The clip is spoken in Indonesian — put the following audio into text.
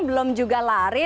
belum juga lari